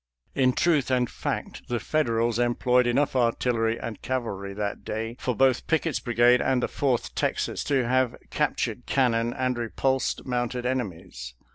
In truth and fact, the Fed erals employed enough artillery and cavalry that day for both Pickett's brigade and the Fourth Texas to have captured cannon and repulsed mounted enemies.